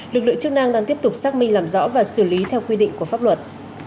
lực lượng chức năng đang tiếp tục xác minh làm rõ và xử lý theo quy định của pháp luật